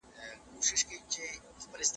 هغه وویل چې کلتور زموږ د پرمختګ کلي ده.